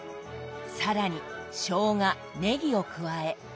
更にしょうがねぎを加え。